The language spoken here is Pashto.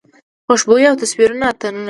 خوشبويي او تصویرونه اتڼونه